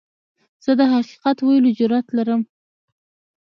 زه د حقیقت ویلو جرئت لرم.